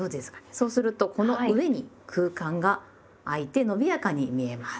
そうするとこの上に空間があいてのびやかに見えます。